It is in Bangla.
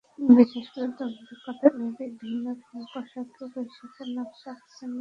বিশেষ করে তরুণদের কথা ভেবেই ভিন্ন ভিন্ন পোশাকে বৈশাখের নকশা আঁকছেন ডিজাইনাররা।